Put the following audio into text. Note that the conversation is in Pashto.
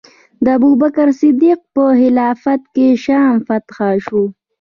د ابوبکر صدیق په خلافت کې شام فتح شو.